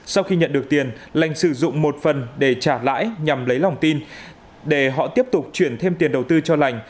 sau khi nhận được tiền lành sử dụng một phần để trả lãi nhằm lấy lòng tin để họ tiếp tục chuyển thêm tiền đầu tư cho lành